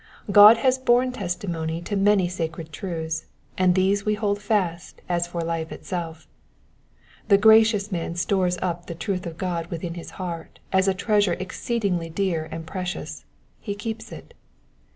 God has orne testimony to many sacred truths, and these we hold fast as for life itself. The gracious man stores up the truth of God vnthin his heart as a treasure exceedingly dear and precious — he keeps it.